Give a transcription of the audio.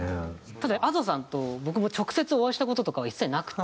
ただＡｄｏさんと僕も直接お会いした事とかは一切なくて。